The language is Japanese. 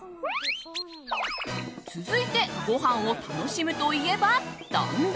続いてご飯を楽しむといえば丼。